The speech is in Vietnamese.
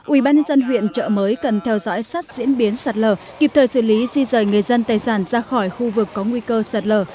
ubnd huyện trợ mới cần theo dõi sát diễn biến sạt lở kịp thời xử lý di rời người dân tài sản ra khỏi khu vực có nguy cơ sạt lở